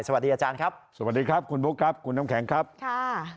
สวัสดีอาจารย์ครับสวัสดีครับคุณบุ๊คครับคุณน้ำแข็งครับค่ะ